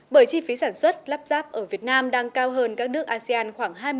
bởi chi phí sản xuất lắp ráp ở việt nam đang cao hơn các nước asean khoảng hai mươi